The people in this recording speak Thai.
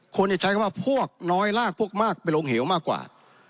คนจะใช้คำว่าพวกน้อยลากพวกมากไปลงเหวมากกว่า